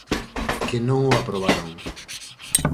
Que non o aprobaron.